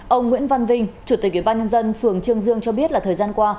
ông nguyễn văn vinh chủ tịch ubnd phường trương dương cho biết là thời gian qua